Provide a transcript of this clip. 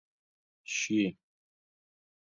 شي،